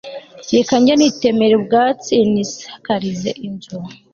Reka njye nitemera ubwatsi nisakarize inzu